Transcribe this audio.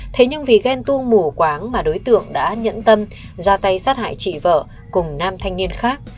thế nhưng vì ghen tuông mù quáng mà đối tượng đã nhẫn tâm ra tay sát hại chị vợ cùng nam thanh niên khác